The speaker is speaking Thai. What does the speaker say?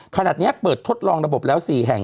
ขณะนี้เปิดทดลองระบบแล้ว๔แห่ง